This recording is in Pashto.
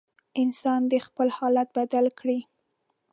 انسان دې خپل حالت بدل کړي.